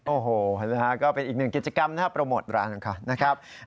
โอ้โหนะฮะก็เป็นอีกหนึ่งกิจกรรมนะครับโปรโมทร้านของเขานะครับ